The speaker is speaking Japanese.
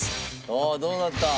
おおどうなった？